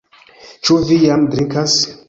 Ĉu vi jam drinkas?